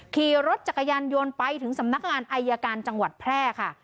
ขี่รถจักรยานยนต์ไปถึงสำนักงานอายการจังหวัดแพร่ค่ะ